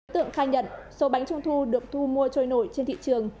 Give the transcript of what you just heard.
tượng khai nhận số bánh trung thu được thu mua trôi nổi trên thị trường